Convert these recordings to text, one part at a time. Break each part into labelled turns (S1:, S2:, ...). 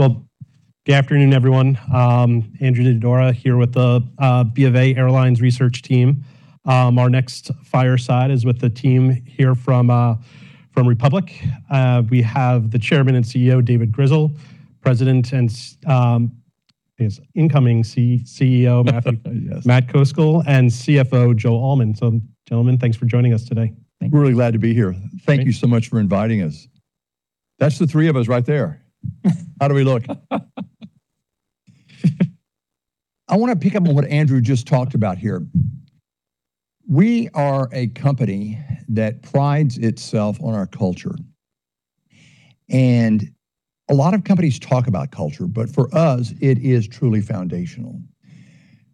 S1: Well, good afternoon, everyone. Andrew Didora here with the BofA Airlines research team. Our next fireside is with the team here from Republic. We have the Chairman and CEO, David Grizzle, President and Incoming CEO, Matt Koscal, and CFO Joe Allman. gentlemen, thanks for joining us today.
S2: Really glad to be here.
S1: Thank you.
S2: Thank you so much for inviting us. That's the three of us right there. How do we look? I wanna pick up on what Andrew just talked about here. We are a company that prides itself on our culture. A lot of companies talk about culture, but for us, it is truly foundational.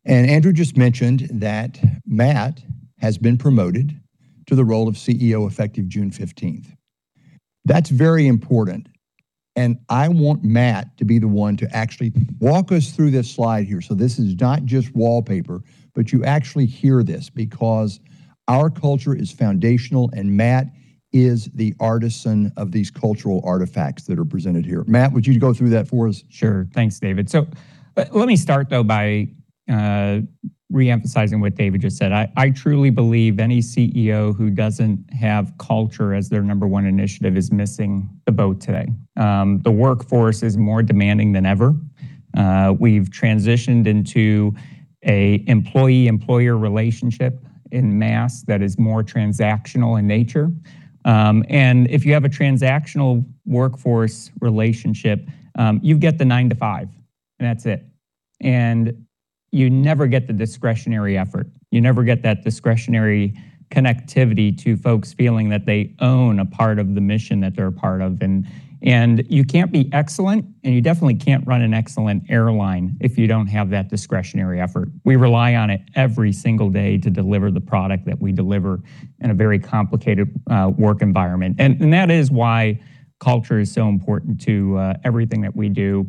S2: Andrew just mentioned that Matt has been promoted to the role of CEO effective June 15th. That's very important, and I want Matt to be the one to actually walk us through this slide here. This is not just wallpaper, but you actually hear this because our culture is foundational, and Matt is the artisan of these cultural artifacts that are presented here. Matt, would you go through that for us?
S3: Thanks, David. Let me start though by re-emphasizing what David just said. I truly believe any CEO who doesn't have culture as their number one initiative is missing the boat today. The workforce is more demanding than ever. We've transitioned into an employee-employer relationship en masse that is more transactional in nature. If you have a transactional workforce relationship, you get the nine-to-five, and that's it. You never get the discretionary effort. You never get that discretionary connectivity to folks feeling that they own a part of the mission that they're a part of. You can't be excellent, and you definitely can't run an excellent airline if you don't have that discretionary effort. We rely on it every single day to deliver the product that we deliver in a very complicated work environment. That is why culture is so important to everything that we do.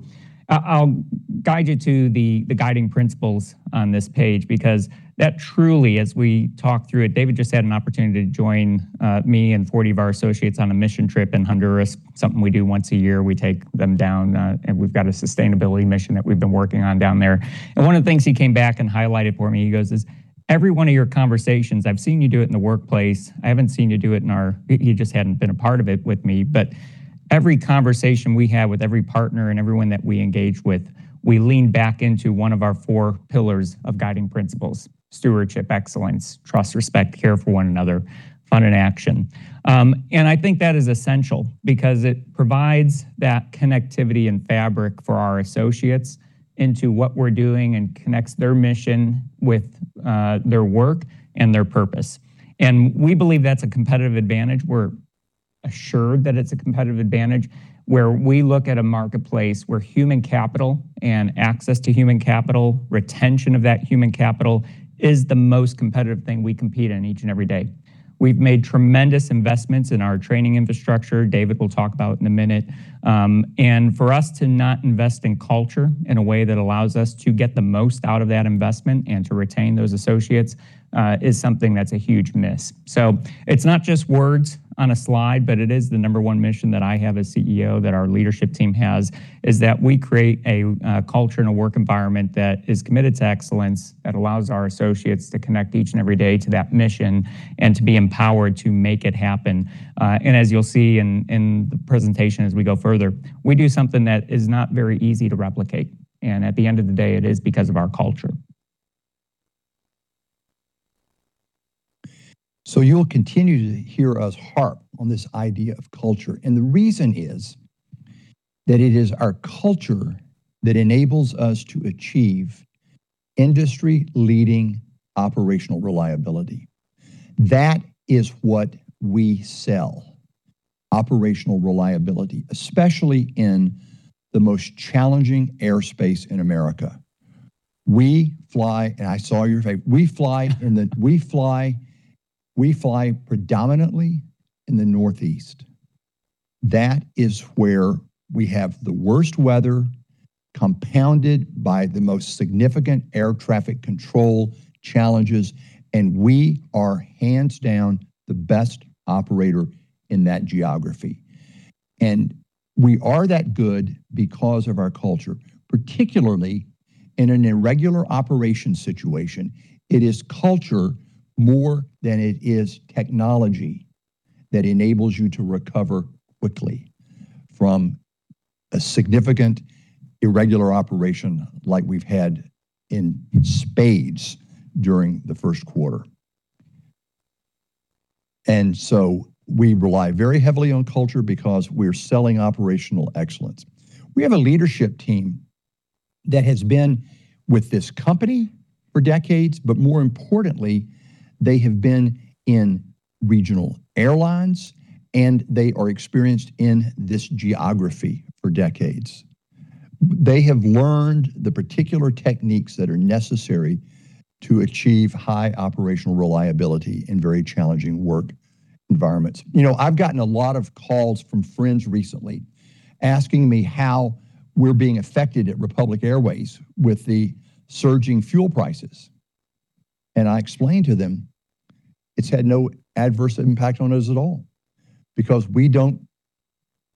S3: I'll guide you to the guiding principles on this page because that truly, as we talk through it David just had an opportunity to join me and 40 of our associates on a mission trip in Honduras, something we do once a year. We take them down, we've got a sustainability mission that we've been working on down there. One of the things he came back and highlighted for me, he goes is, "Every one of your conversations, I've seen you do it in the workplace. I haven't seen you do it in our" You just hadn't been a part of it with me. Every conversation we have with every partner and everyone that we engage with, we lean back into one of our four pillars of guiding principles, stewardship, excellence, trust, respect, care for one another, fun and action. I think that is essential because it provides that connectivity and fabric for our associates into what we're doing and connects their mission with their work and their purpose. We believe that's a competitive advantage. We're assured that it's a competitive advantage, where we look at a marketplace where human capital and access to human capital, retention of that human capital is the most competitive thing we compete in each and every day. We've made tremendous investments in our training infrastructure. David will talk about in a minute. For us to not invest in culture in a way that allows us to get the most out of that investment and to retain those associates, is something that's a huge miss. It's not just words on a slide, but it is the number one mission that I have as CEO, that our leadership team has, is that we create a culture and a work environment that is committed to excellence, that allows our associates to connect each and every day to that mission and to be empowered to make it happen. As you'll see in the presentation as we go further, we do something that is not very easy to replicate. At the end of the day, it is because of our culture.
S2: You'll continue to hear us harp on this idea of culture. The reason is that it is our culture that enables us to achieve industry-leading operational reliability. That is what we sell, operational reliability, especially in the most challenging airspace in America. I saw your face. We fly predominantly in the Northeast. That is where we have the worst weather, compounded by the most significant air traffic control challenges, and we are hands down the best operator in that geography. We are that good because of our culture, particularly in an irregular operation situation. It is culture more than it is technology that enables you to recover quickly from a significant irregular operation like we've had in spades during the first quarter. We rely very heavily on culture because we're selling operational excellence. We have a leadership team that has been with this company for decades. More importantly, they have been in regional airlines. They are experienced in this geography for decades. They have learned the particular techniques that are necessary to achieve high operational reliability in very challenging work environments. You know, I've gotten a lot of calls from friends recently asking me how we're being affected at Republic Airways with the surging fuel prices. I explained to them it's had no adverse impact on us at all because we don't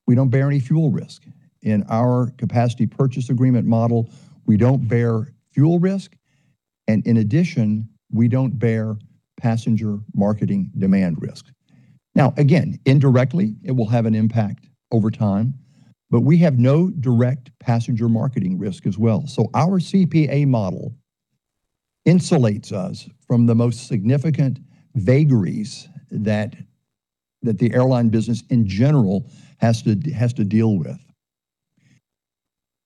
S2: bear any fuel risk. In our capacity purchase agreement model, we don't bear fuel risk. In addition, we don't bear passenger marketing demand risk. Again, indirectly, it will have an impact over time. We have no direct passenger marketing risk as well. Our CPA model insulates us from the most significant vagaries that the airline business in general has to deal with.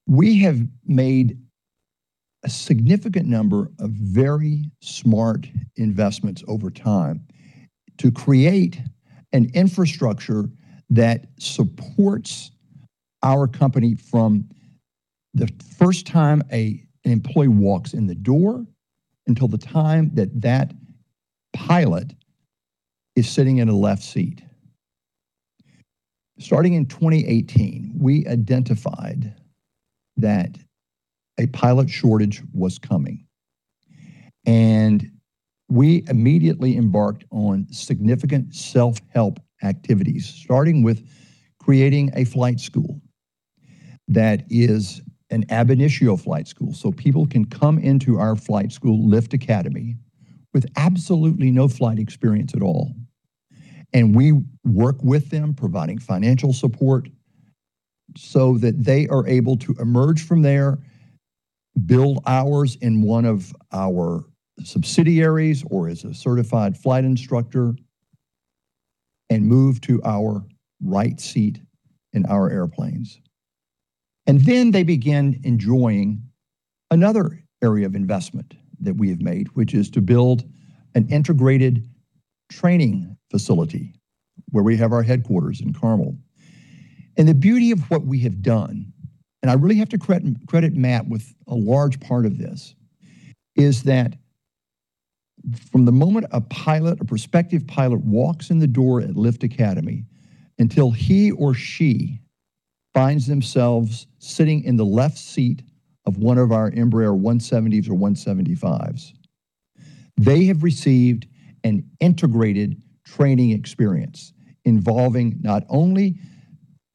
S2: We have made a significant number of very smart investments over time to create an infrastructure that supports our company from the first time an employee walks in the door until the time that pilot is sitting in a left seat. Starting in 2018, we identified that a pilot shortage was coming, and we immediately embarked on significant self-help activities, starting with creating a flight school that is an ab initio flight school. People can come into our flight school, LIFT Academy, with absolutely no flight experience at all, and we work with them, providing financial support, so that they are able to emerge from there, bill hours in one of our subsidiaries or as a certified flight instructor, and move to our right seat in our airplanes. They begin enjoying another area of investment that we have made, which is to build an integrated training facility where we have our headquarters in Carmel. The beauty of what we have done, and I really have to credit Matt with a large part of this, is that from the moment a pilot, a prospective pilot walks in the door at LIFT Academy until he or she finds themselves sitting in the left seat of one of our Embraer E170s or E175s, they have received an integrated training experience involving not only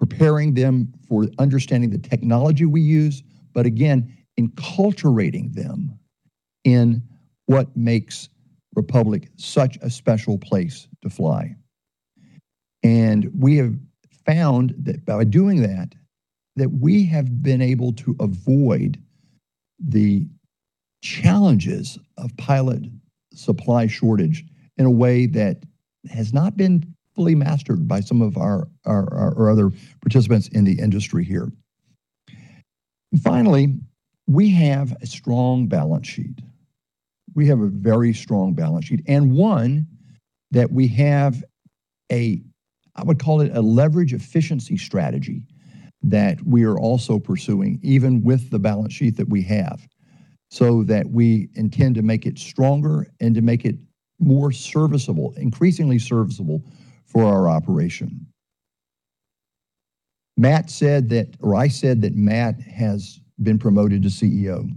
S2: preparing them for understanding the technology we use, but again, inculturating them in what makes Republic such a special place to fly. We have found that by doing that we have been able to avoid the challenges of pilot supply shortage in a way that has not been fully mastered by some of our or other participants in the industry here. We have a strong balance sheet. We have a very strong balance sheet, one that we have, I would call it a leverage efficiency strategy that we are also pursuing, even with the balance sheet that we have. We intend to make it stronger and to make it more serviceable, increasingly serviceable for our operation. Matt said that, or I said that Matt has been promoted to CEO.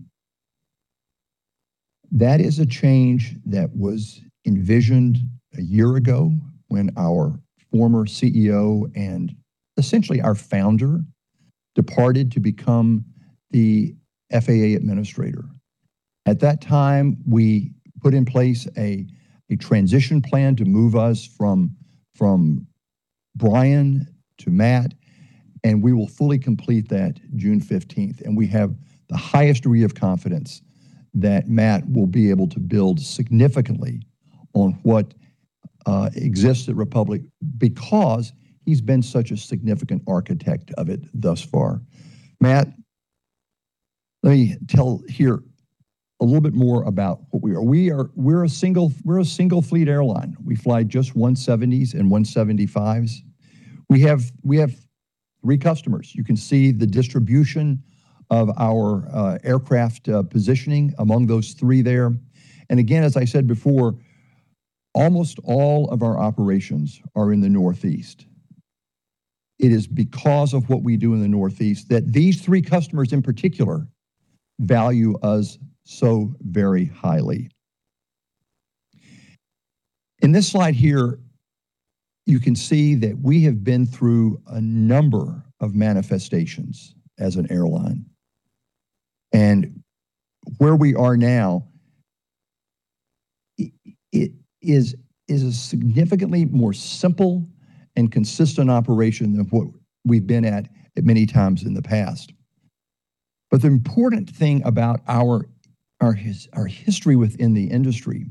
S2: That is a change that was envisioned a year ago when our former CEO and essentially our founder departed to become the FAA administrator. At that time, we put in place a transition plan to move us from Bryan to Matt. We will fully complete that June 15th. We have the highest degree of confidence that Matt will be able to build significantly on what exists at Republic because he's been such a significant architect of it thus far. Matt, let me tell here a little bit more about what we are. We're a single-fleet airline. We fly just E170s and E175s. We have three customers. You can see the distribution of our aircraft positioning among those three there. Again, as I said before, almost all of our operations are in the Northeast. It is because of what we do in the Northeast that these three customers in particular value us so very highly. In this slide here, you can see that we have been through a number of manifestations as an airline, and where we are now, it is a significantly more simple and consistent operation than what we've been at many times in the past. The important thing about our history within the industry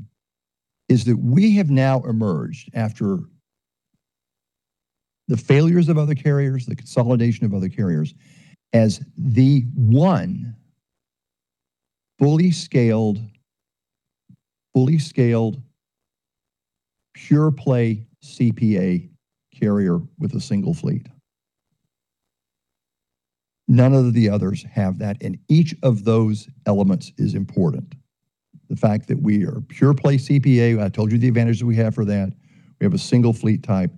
S2: is that we have now emerged after the failures of other carriers, the consolidation of other carriers, as the one fully scaled pure-play CPA carrier with a single fleet. None of the others have that. Each of those elements is important. The fact that we are a pure-play CPA, I told you the advantage that we have for that. We have a single fleet type.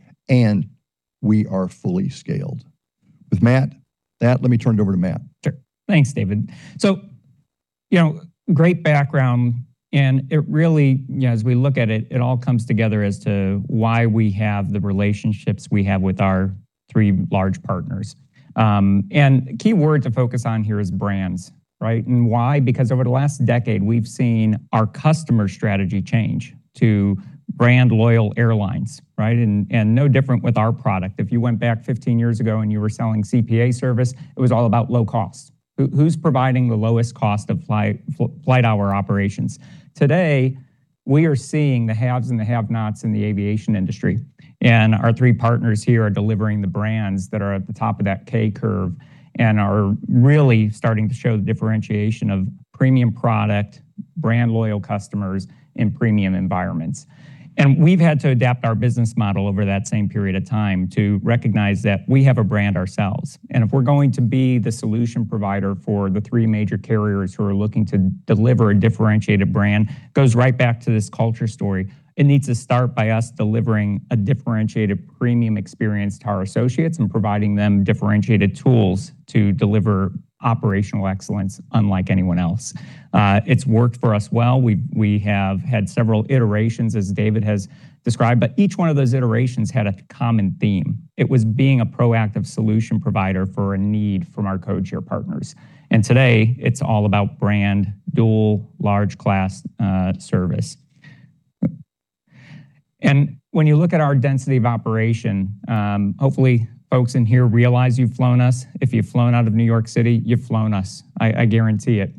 S2: We are fully scaled. With Matt, let me turn it over to Matt.
S3: Sure. Thanks, David. You know, great background, and it really, you know, as we look at it all comes together as to why we have the relationships we have with our three large partners. Key word to focus on here is brands, right? Why? Because over the last decade, we've seen our customer strategy change to brand-loyal airlines, right? No different with our product. If you went back 15 years ago and you were selling CPA service, it was all about low cost. Who's providing the lowest cost of flight hour operations? Today, we are seeing the haves and the have-nots in the aviation industry, and our three partners here are delivering the brands that are at the top of that K curve and are really starting to show the differentiation of premium product, brand-loyal customers in premium environments. We've had to adapt our business model over that same period of time to recognize that we have a brand ourselves. If we're going to be the solution provider for the three major carriers who are looking to deliver a differentiated brand, goes right back to this culture story. It needs to start by us delivering a differentiated premium experience to our associates and providing them differentiated tools to deliver operational excellence unlike anyone else. It's worked for us well. We have had several iterations, as David has described, but each one of those iterations had a common theme. It was being a proactive solution provider for a need from our codeshare partners. Today, it's all about brand dual-class service. When you look at our density of operation, hopefully folks in here realize you've flown us. If you've flown out of New York City, you've flown us. I guarantee it.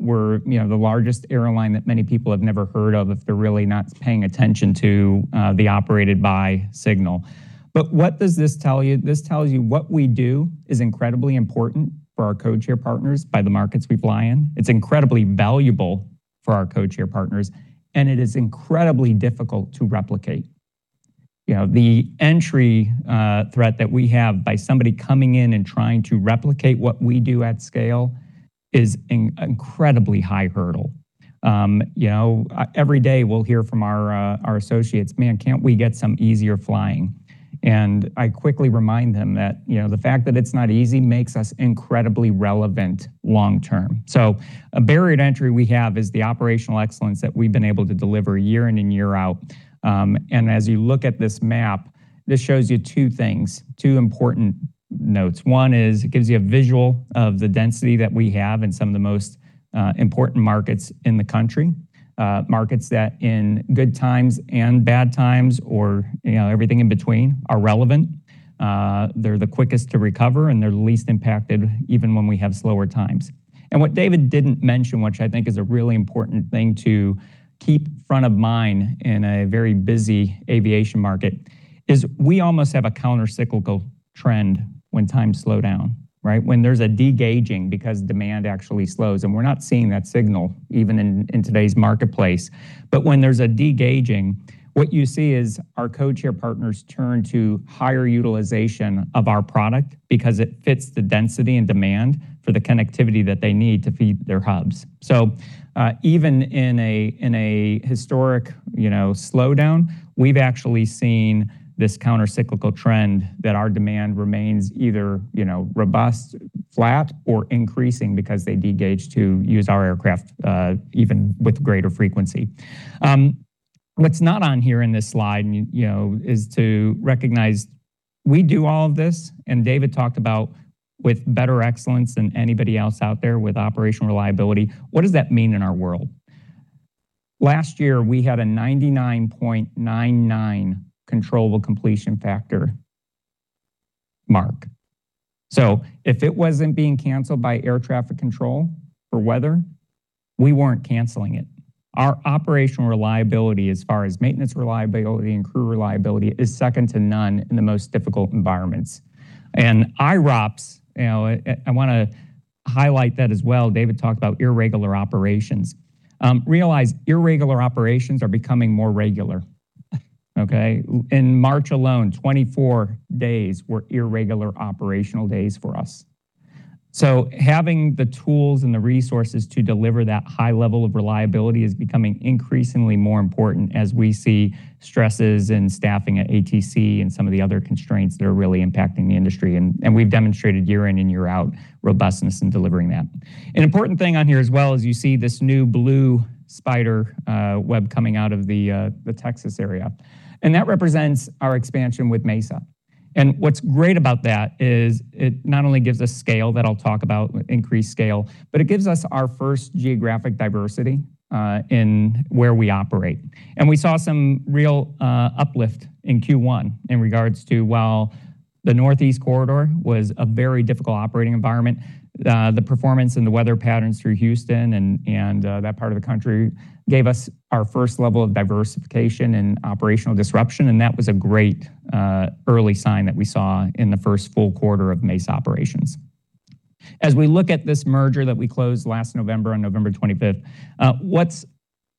S3: We're, you know, the largest airline that many people have never heard of if they're really not paying attention to the operated by signal. What does this tell you? This tells you what we do is incredibly important for our codeshare partners by the markets we fly in. It's incredibly valuable for our codeshare partners, and it is incredibly difficult to replicate. You know, the entry threat that we have by somebody coming in and trying to replicate what we do at scale is an incredibly high hurdle. You know, every day we'll hear from our associates, "Man, can't we get some easier flying?" I quickly remind them that, you know, the fact that it's not easy makes us incredibly relevant long term. A barrier to entry we have is the operational excellence that we've been able to deliver year in and year out. As you look at this map, this shows you two things, two important notes. One is it gives you a visual of the density that we have in some of the most important markets in the country. Markets that in good times and bad times or, you know, everything in between are relevant. They're the quickest to recover, and they're least impacted even when we have slower times. What David didn't mention, which I think is a really important thing to keep front of mind in a very busy aviation market, is we almost have a counter-cyclical trend when times slow down, right? When there's a de-gauging because demand actually slows, and we're not seeing that signal even in today's marketplace. When there's a de-gauging, what you see is our codeshare partners turn to higher utilization of our product because it fits the density and demand for the connectivity that they need to feed their hubs. Even in a, in a historic, you know, slowdown, we've actually seen this counter-cyclical trend that our demand remains either, you know, robust, flat or increasing because they de-gauge to use our aircraft even with greater frequency. What's not on here in this slide and, you know, is to recognize we do all of this, and David talked about with better excellence than anybody else out there with operational reliability. What does that mean in our world? Last year, we had a 99.99 controllable completion factor mark. If it wasn't being canceled by air traffic control or weather, we weren't canceling it. Our operational reliability as far as maintenance reliability and crew reliability is second to none in the most difficult environments. IROPS, you know, I wanna highlight that as well. David talked about irregular operations. Realize irregular operations are becoming more regular, okay? In March alone, 24 days were irregular operational days for us. Having the tools and the resources to deliver that high level of reliability is becoming increasingly more important as we see stresses in staffing at ATC and some of the other constraints that are really impacting the industry, and we've demonstrated year in and year out robustness in delivering that. An important thing on here as well is you see this new blue spider web coming out of the Texas area, and that represents our expansion with Mesa. What's great about that is it not only gives us scale that I'll talk about, increased scale, but it gives us our first geographic diversity in where we operate. We saw some real uplift in Q1 in regards to while the Northeast Corridor was a very difficult operating environment, the performance and the weather patterns through Houston and that part of the country gave us our first level of diversification and operational disruption, and that was a great early sign that we saw in the first full quarter of Mesa operations. As we look at this merger that we closed last November on November 25th, what's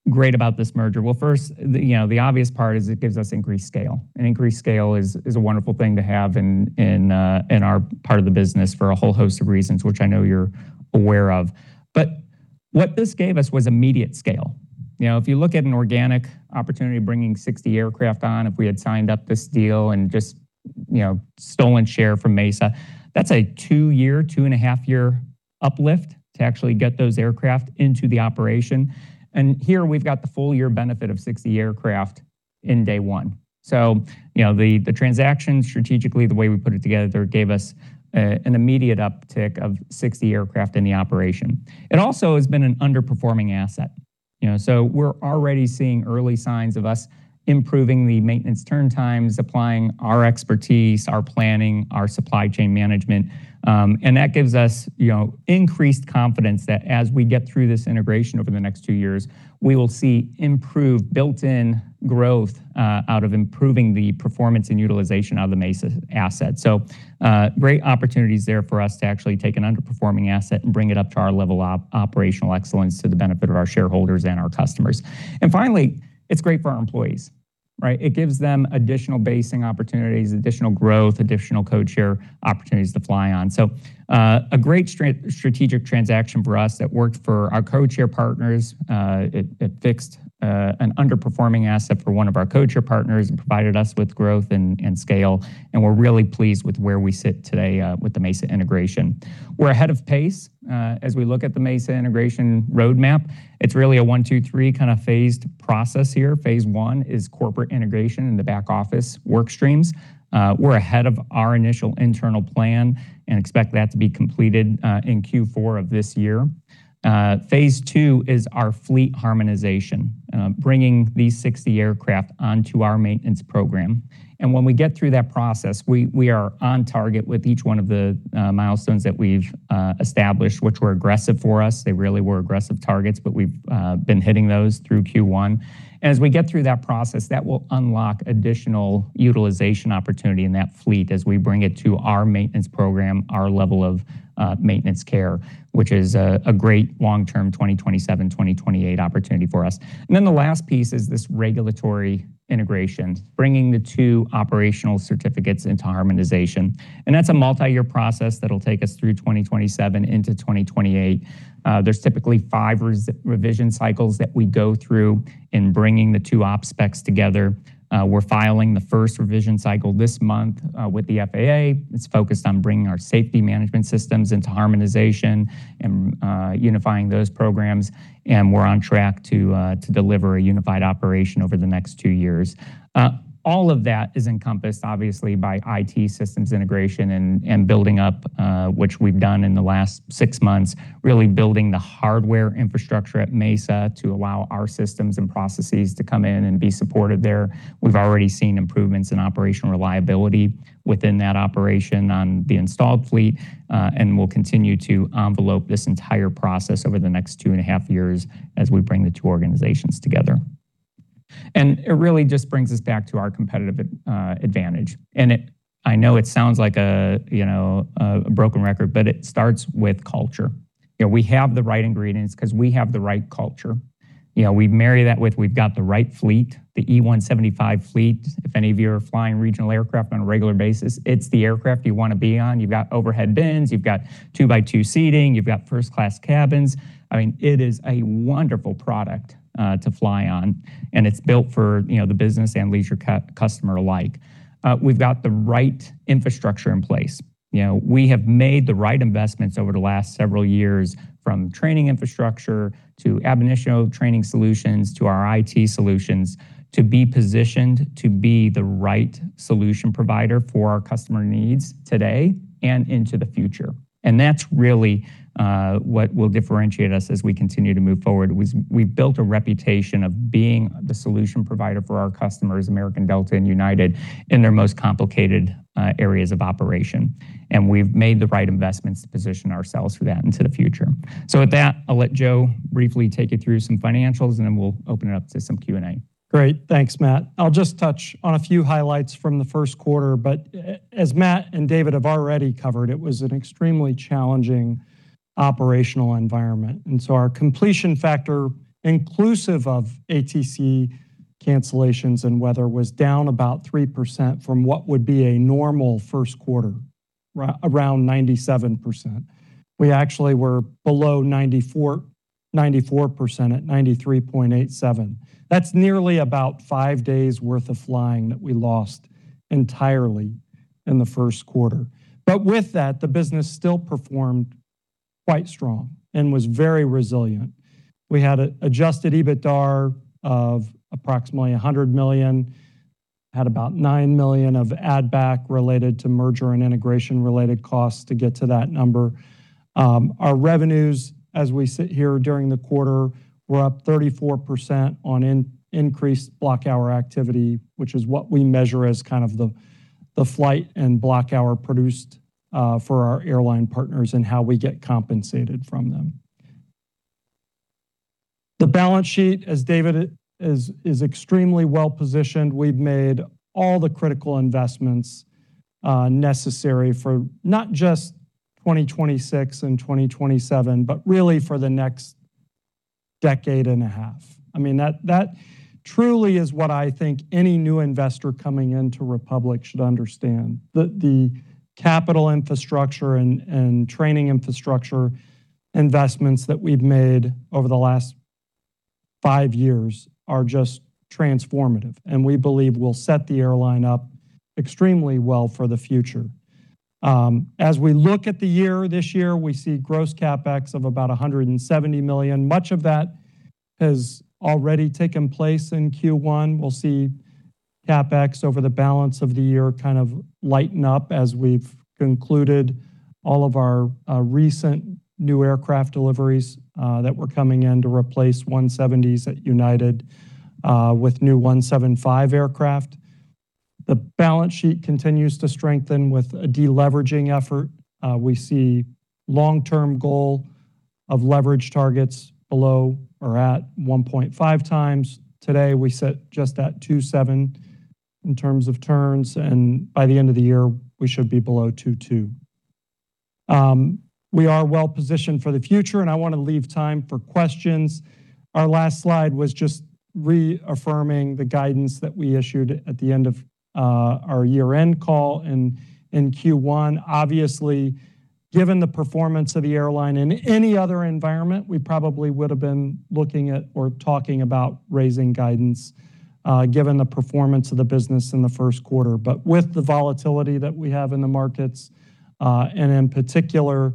S3: great about this merger? Well, first, the, you know, the obvious part is it gives us increased scale, and increased scale is a wonderful thing to have in our part of the business for a whole host of reasons which I know you're aware of. What this gave us was immediate scale. You know, if you look at an organic opportunity bringing 60 aircraft on, if we had signed up this deal and just, you know, stolen share from Mesa, that's a two-year, two-and-a-half-year uplift to actually get those aircraft into the operation. Here we've got the full-year benefit of 60 aircraft in day one. You know, the transaction strategically, the way we put it together gave us an immediate uptick of 60 aircraft in the operation. It also has been an underperforming asset, you know? We're already seeing early signs of us improving the maintenance turn times, applying our expertise, our planning, our supply chain management. That gives us, you know, increased confidence that as we get through this integration over the next two years, we will see improved built-in growth out of improving the performance and utilization of the Mesa asset. Great opportunities there for us to actually take an underperforming asset and bring it up to our level operational excellence to the benefit of our shareholders and our customers. Finally, it's great for our employees, right? It gives them additional basing opportunities, additional growth, additional codeshare opportunities to fly on. A great strategic transaction for us that worked for our codeshare partners. It, it fixed an underperforming asset for one of our codeshare partners and provided us with growth and scale, and we're really pleased with where we sit today with the Mesa integration. We're ahead of pace as we look at the Mesa integration roadmap. It's really a one, two, three kind of phased process here. Phase 1 is corporate integration in the back office work streams. We're ahead of our initial internal plan and expect that to be completed in Q4 of this year. Phase 2 is our fleet harmonization, bringing these 60 aircraft onto our maintenance program. When we get through that process, we are on target with each one of the milestones that we've established, which were aggressive for us. They really were aggressive targets, but we've been hitting those through Q1. As we get through that process, that will unlock additional utilization opportunity in that fleet as we bring it to our maintenance program, our level of maintenance care, which is a great long-term 2027, 2028 opportunity for us. The last piece is this regulatory integration, bringing the two operational certificates into harmonization. That's a multi-year process that'll take us through 2027 into 2028. There's typically five revision cycles that we go through in bringing the two ops specs together. We're filing the first revision cycle this month with the FAA. It's focused on bringing our safety management systems into harmonization and unifying those programs. We're on track to deliver a unified operation over the next two years. All of that is encompassed obviously by IT systems integration and building up, which we've done in the last six months, really building the hardware infrastructure at Mesa to allow our systems and processes to come in and be supported there. We've already seen improvements in operational reliability within that operation on the installed fleet, and we'll continue to envelope this entire process over the next two and a half years as we bring the two organizations together. It really just brings us back to our competitive advantage. I know it sounds like a, you know, a broken record, but it starts with culture. You know, we have the right ingredients because we have the right culture. You know, we marry that with we've got the right fleet, the E175 fleet. If any of you are flying regional aircraft on a regular basis, it's the aircraft you want to be on. You've got overhead bins, you've got two-by-two seating, you've got first class cabins. I mean, it is a wonderful product to fly on, and it's built for, you know, the business and leisure customer alike. We've got the right infrastructure in place. You know, we have made the right investments over the last several years, from training infrastructure to ab initio training solutions to our IT solutions to be positioned to be the right solution provider for our customer needs today and into the future. That's really what will differentiate us as we continue to move forward, was we built a reputation of being the solution provider for our customers, American Delta and United, in their most complicated areas of operation. We've made the right investments to position ourselves for that into the future. With that, I'll let Joe briefly take you through some financials, and then we'll open it up to some Q&A.
S4: Great. Thanks, Matt. I'll just touch on a few highlights from the first quarter, but as Matt and David have already covered, it was an extremely challenging operational environment. Our completion factor, inclusive of ATC cancellations and weather, was down about 3% from what would be a normal first quarter, around 97%. We actually were below 94% at 93.87%. That's nearly about five days worth of flying that we lost entirely in the first quarter. But with that, the business still performed quite strong and was very resilient. We had an adjusted EBITDAR of approximately $100 million, had about $9 million of add-back related to merger- and integration-related costs to get to that number. Our revenues as we sit here during the quarter were up 34% on increased block hour activity, which is what we measure as kind of the flight and block hour produced for our airline partners and how we get compensated from them. The balance sheet, as David is extremely well positioned. We've made all the critical investments necessary for not just 2026 and 2027, but really for the next decade and a half. I mean, that truly is what I think any new investor coming into Republic should understand. The, the capital infrastructure and training infrastructure investments that we've made over the last five years are just transformative, and we believe will set the airline up extremely well for the future. As we look at the year this year, we see gross CapEx of about $170 million. Much of that has already taken place in Q1. We'll see CapEx over the balance of the year kind of lighten up as we've concluded all of our recent new aircraft deliveries that were coming in to replace E170s at United with new E175 aircraft. The balance sheet continues to strengthen with a de-leveraging effort. We see long-term goal of leverage targets below or at 1.5x. Today, we sit just at 2.7x in terms of turns, and by the end of the year, we should be below 2.2x. We are well positioned for the future, and I wanna leave time for questions. Our last slide was just reaffirming the guidance that we issued at the end of our year-end call in Q1. Obviously, given the performance of the airline in any other environment, we probably would have been looking at or talking about raising guidance, given the performance of the business in the first quarter. With the volatility that we have in the markets, and in particular,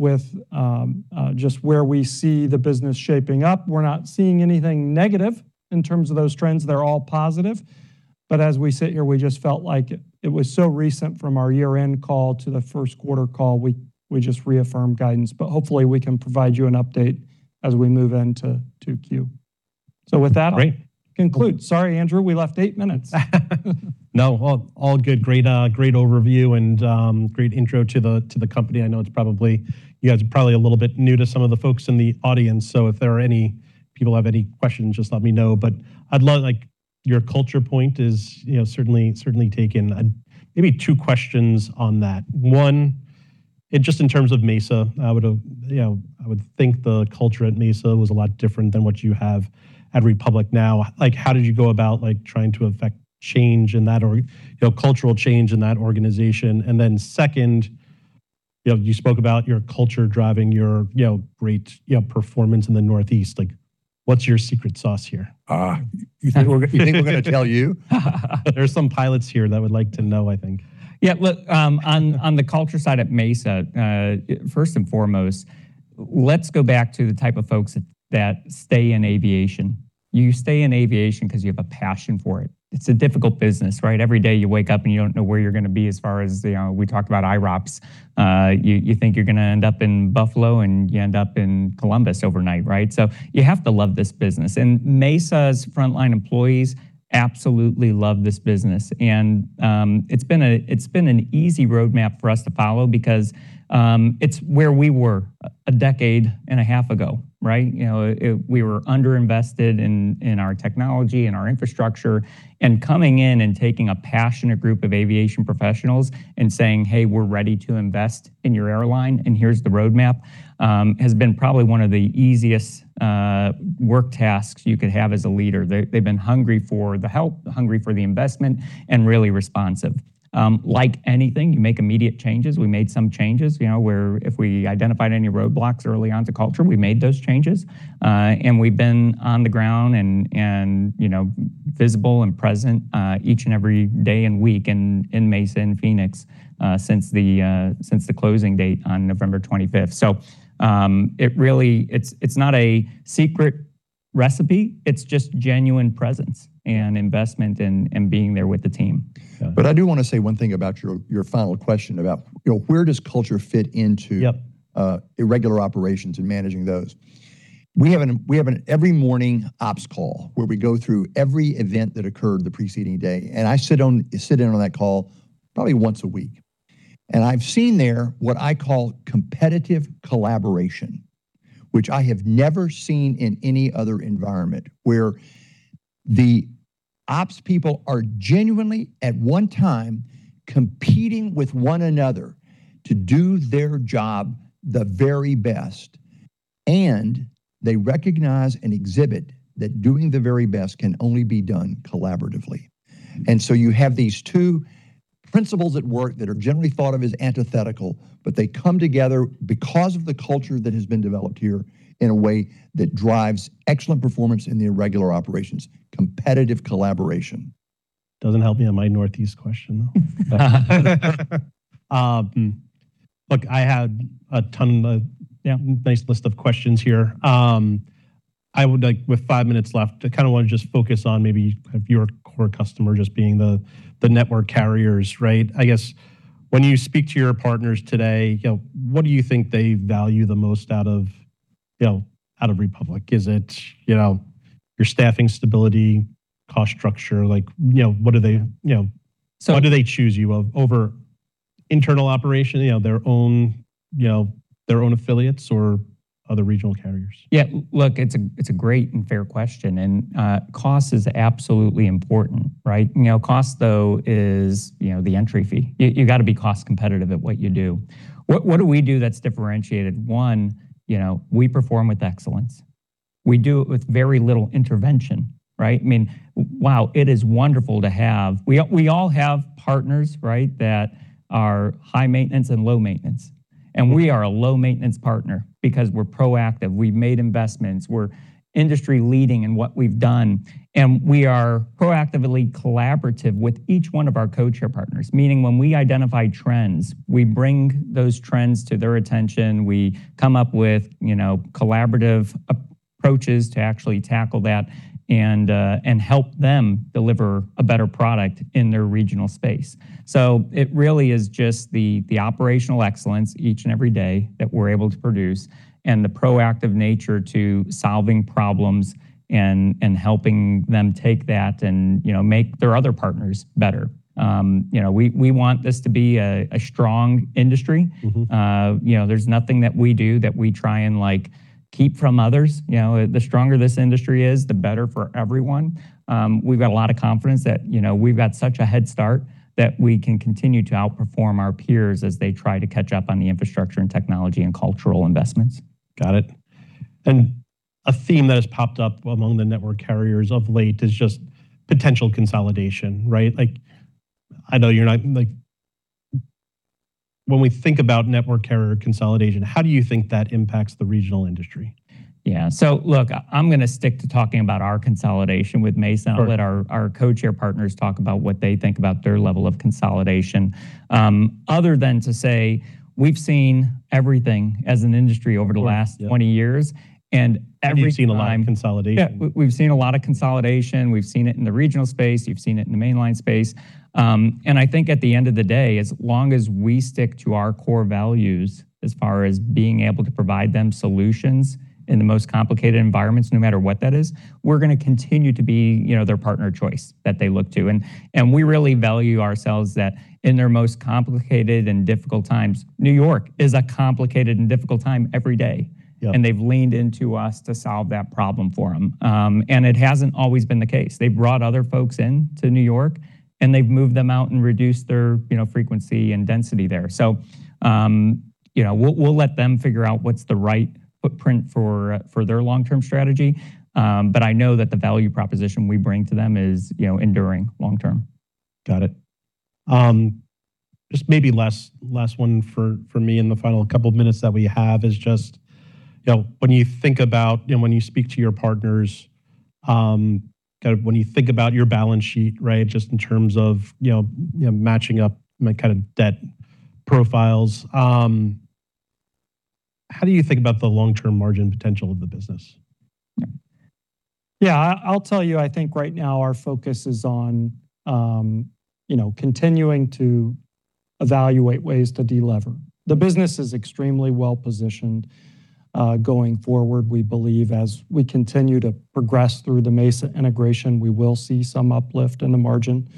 S4: just where we see the business shaping up, we're not seeing anything negative in terms of those trends. They're all positive. As we sit here, we just felt like it was so recent from our year-end call to the first quarter call, we just reaffirmed guidance. Hopefully, we can provide you an update as we move into quarter. With that—
S1: Great.
S4: Conclude. Sorry, Andrew, we left eight minutes.
S1: No, all good. Great, great overview and great intro to the company. I know you guys are probably a little bit new to some of the folks in the audience, so if there are any people have any questions, just let me know. I'd love, like, your culture point is, you know, certainly taken. Maybe two questions on that. One, just in terms of Mesa, I would have, you know, I would think the culture at Mesa was a lot different than what you have at Republic now. Like, how did you go about, like, trying to affect change in that or, you know, cultural change in that organization? Then second, you know, you spoke about your culture driving your, you know, great, you know, performance in the Northeast. Like, what's your secret sauce here?
S2: You think we're gonna tell you?
S1: There are some pilots here that would like to know, I think.
S3: Look, on the culture side at Mesa, first and foremost, let's go back to the type of folks that stay in aviation. You stay in aviation because you have a passion for it. It's a difficult business, right? Every day you wake up and you don't know where you're gonna be as far as we talked about IROPS. You, you think you're gonna end up in Buffalo, and you end up in Columbus overnight, right? You have to love this business. Mesa's frontline employees absolutely love this business. It's been a, it's been an easy roadmap for us to follow because it's where we were a decade and a half ago, right? We were under-invested in our technology and our infrastructure. Coming in and taking a passionate group of aviation professionals and saying, "Hey, we're ready to invest in your airline, and here's the roadmap," has been probably one of the easiest work tasks you could have as a leader. They've been hungry for the help, hungry for the investment, and really responsive. Like anything, you make immediate changes. We made some changes. You know, where if we identified any roadblocks early on to culture, we made those changes. We've been on the ground and, you know, visible and present each and every day and week in Mesa and Phoenix since the closing date on November 25th. It's not a secret recipe. It's just genuine presence and investment and being there with the team.
S2: I do wanna say one thing about your final question about, you know, where does culture fit into irregular operations and managing those. We have an every morning ops call where we go through every event that occurred the preceding day. I sit in on that call probably once a week. I've seen there what I call competitive collaboration, which I have never seen in any other environment, where the ops people are genuinely at one time competing with one another to do their job the very best, and they recognize and exhibit that doing the very best can only be done collaboratively. You have these two principles at work that are generally thought of as antithetical, but they come together because of the culture that has been developed here in a way that drives excellent performance in the irregular operations. Competitive collaboration.
S1: Doesn't help me on my Northeast question, though. Nice list of questions here. With five minutes left, I kinda wanna just focus on maybe your core customer just being the network carriers, right? I guess when you speak to your partners today, you know, what do you think they value the most out of, you know, out of Republic? Is it, you know, your staffing stability, cost structure? Why do they choose you over internal operation, you know, their own, you know, their own affiliates or other regional carriers?
S3: Yeah. Look, it's a great and fair question. Cost is absolutely important, right? You know, cost, though, is, you know, the entry fee. You gotta be cost competitive at what you do. What do we do that's differentiated? One, you know, we perform with excellence. We do it with very little intervention, right? I mean, wow, it is wonderful to have. We all have partners, right? That are high maintenance and low maintenance. We are a low-maintenance partner because we're proactive. We've made investments. We're industry leading in what we've done. We are proactively collaborative with each one of our codeshare partners. Meaning when we identify trends, we bring those trends to their attention. We come up with, you know, collaborative approaches to actually tackle that and help them deliver a better product in their regional space. It really is just the operational excellence each and every day that we're able to produce and the proactive nature to solving problems and helping them take that and, you know, make their other partners better. You know, we want this to be a strong industry. You know, there's nothing that we do that we try and, like, keep from others. You know, the stronger this industry is, the better for everyone. We've got a lot of confidence that, you know, we've got such a head start that we can continue to outperform our peers as they try to catch up on the infrastructure and technology and cultural investments.
S1: Got it. A theme that has popped up among the network carriers of late is just potential consolidation, right? When we think about network carrier consolidation, how do you think that impacts the regional industry?
S3: Yeah. Look, I'm gonna stick to talking about our consolidation with Mesa.
S1: Sure.
S3: I'll let our codeshare partners talk about what they think about their level of consolidation. Other than to say, we've seen everything as an industry over the last 20 years.
S1: Have you seen a lot of consolidation?
S3: Yeah, we've seen a lot of consolidation. We've seen it in the regional space. You've seen it in the mainline space. I think at the end of the day, as long as we stick to our core values as far as being able to provide them solutions in the most complicated environments, no matter what that is, we're gonna continue to be, you know, their partner choice that they look to. We really value ourselves that in their most complicated and difficult times, New York is a complicated and difficult time every day.
S1: Yeah.
S3: They've leaned into us to solve that problem for them. It hasn't always been the case. They've brought other folks in to New York, and they've moved them out and reduced their, you know, frequency and density there. You know, we'll let them figure out what's the right footprint for their long-term strategy. I know that the value proposition we bring to them is, you know, enduring long term.
S1: Got it. Just maybe last one for me in the final couple of minutes that we have is just, you know, when you think about, you know, when you speak to your partners, kind of when you think about your balance sheet, right? Just in terms of, you know, matching up my kind of debt profiles, how do you think about the long-term margin potential of the business?
S4: Yeah. I'll tell you, I think right now our focus is on, you know, continuing to evaluate ways to de-lever. The business is extremely well positioned going forward. We believe as we continue to progress through the Mesa integration, we will see some uplift in the margin.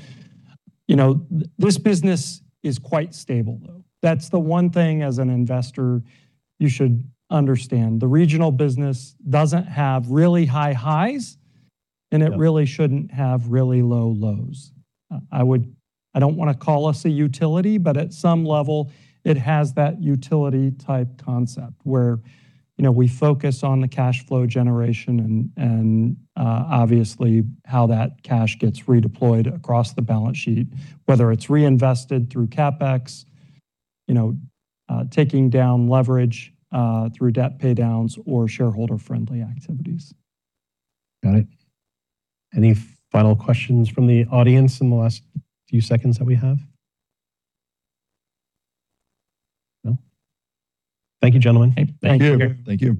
S4: You know, this business is quite stable, though. That's the one thing as an investor you should understand. The regional business doesn't have really high highs, and it really shouldn't have really low lows. I don't wanna call us a utility, but at some level it has that utility type concept where, you know, we focus on the cash flow generation and, obviously how that cash gets redeployed across the balance sheet, whether it's reinvested through CapEx, you know, taking down leverage through debt pay-downs or shareholder-friendly activities.
S1: Got it. Any final questions from the audience in the last few seconds that we have? No? Thank you, gentlemen.
S2: Thank you.